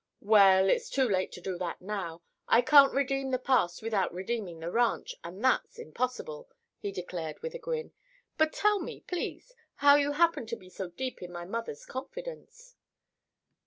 "Well, it's too late to do that now. I can't redeem the past without redeeming the ranch, and that's impossible," he declared with a grin. "But tell me, please, how you happen to be so deep in my mother's confidence."